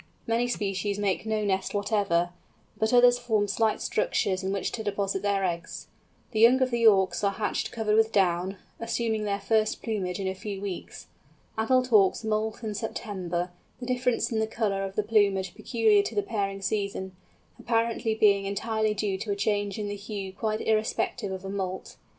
Many species make no nest whatever, but others form slight structures in which to deposit their eggs. The young of the Auks are hatched covered with down, assuming their first plumage in a few weeks. Adult Auks moult in September; the difference in the colour of the plumage peculiar to the pairing season, apparently being entirely due to a change in the hue quite irrespective of a moult.